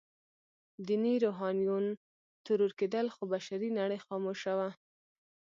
ديني روحانيون ترور کېدل، خو بشري نړۍ خاموشه وه.